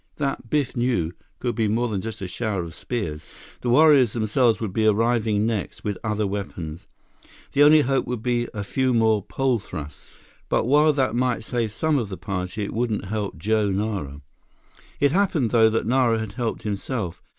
That, Biff knew, could be more than just a shower of spears. The warriors themselves would be arriving next, with other weapons. The only hope would be a few more pole thrusts, but while that might save some of the party, it wouldn't help Joe Nara. It happened though, that Nara had helped himself.